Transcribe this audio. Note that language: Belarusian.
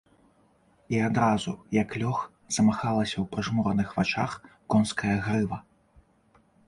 І адразу, як лёг, замахалася ў прыжмураных вачах конская грыва.